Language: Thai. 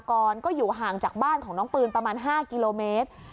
กรก็อยู่ห่างจากบ้านของน้องปืนประมาณ๕กิโลเมตร